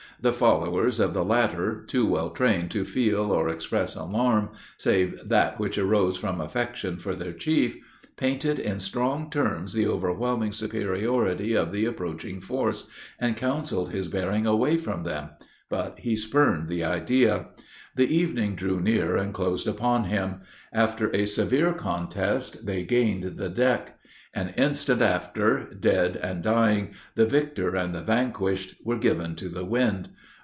The followers of the latter, too well trained to feel or express alarm, save that which arose from affection for their chief, painted in strong terms the overwhelming superiority of the approaching force, and counseled his bearing away from them; but he spurned the idea. The evening drew near, and closed upon him. After a severe contest they gained the deck. An instant after, dead and dying, the victor and the vanquished, were given to the wind.